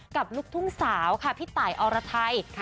ลูกทุ่งสาวค่ะพี่ตายอรไทย